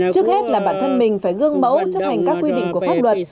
trước hết là bản thân mình phải gương mẫu chấp hành các quy định của pháp luật